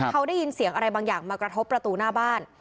เขาได้ยินเสียงอะไรบางอย่างมากระทบประตูหน้าบ้าน